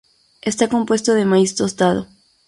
Está compuesto de maíz tostado.